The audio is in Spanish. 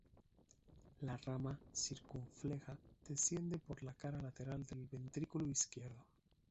La rama circunfleja desciende por la cara lateral del ventrículo izquierdo.